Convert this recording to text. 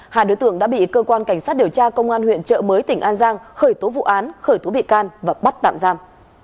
hai đối tượng đã bị cơ quan cảnh sát điều tra công an huyện trợ mới tỉnh an giang khởi tố vụ án khởi tố bị can và bắt tạm giam